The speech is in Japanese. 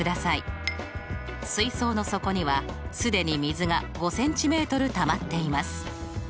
水槽の底には既に水が５ｃｍたまっています。